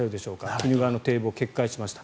鬼怒川の堤防が決壊しました。